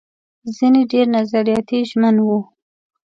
ځينې ډېر نظریاتي ژمن وو.